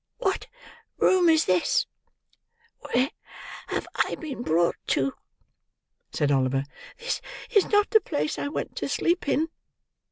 "What room is this? Where have I been brought to?" said Oliver. "This is not the place I went to sleep in."